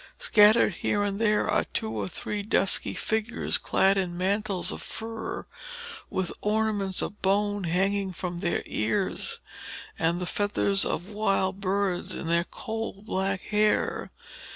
Scattered here and there are two or three dusky figures, clad in mantles of fur, with ornaments of bone hanging from their ears, and the feathers of wild birds in their coal black hair.